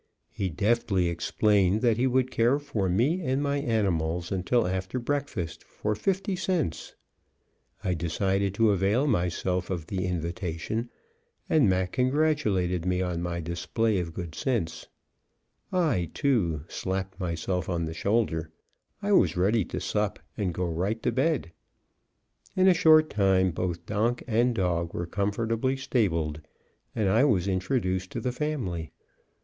He deftly explained that he would care for me and my animals until after breakfast for fifty cents. I decided to avail myself of the invitation, and Mac congratulated me on my display of good sense. I, too, slapped myself on the shoulder; I was ready to sup and go right to bed. In a short time both donk and dog were comfortably stabled, and I was introduced to the family.